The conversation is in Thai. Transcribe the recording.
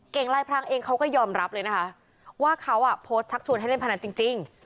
ลายพรางเองเขาก็ยอมรับเลยนะคะว่าเขาโพสต์ชักชวนให้เล่นพนันจริง